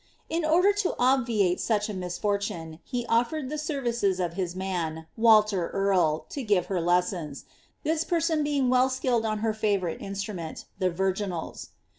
In order to obviate such a misfortune, he oflered the services of his man, Walter Earle, to give her lessons, this person being well skilled on her favourite instrument, the virginals.